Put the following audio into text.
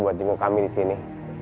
buat jenguk kami disini